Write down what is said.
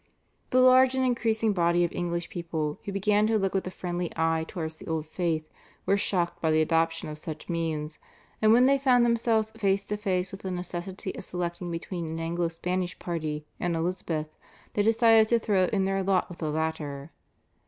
The large and increasing body of English people who began to look with a friendly eye towards the old faith were shocked by the adoption of such means, and when they found themselves face to face with the necessity of selecting between an Anglo Spanish party and Elizabeth, they decided to throw in their lot with the latter.